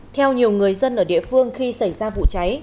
theo nhiều người dân ở địa phương khi xảy ra vụ cháy